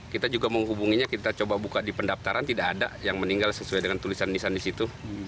kita juga menghubunginya kita coba buka di pendaftaran tidak ada yang meninggal sesuai dengan tulisan lisan di situ